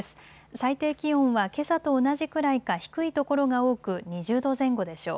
最低気温はけさと同じくらいか低いところが多く２０度前後でしょう。